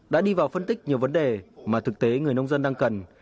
đã đi vào phân tích nhiều vấn đề mà thực tế người nông dân đang cần